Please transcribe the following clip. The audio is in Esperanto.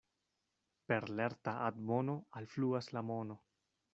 Per lerta admono alfluas la mono.